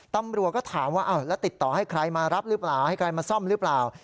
ตำรวจก็ถามว่าแล้วติดต่อให้ใครมารับหรือเปล่าให้ใครมาซ่อมหรือเปล่า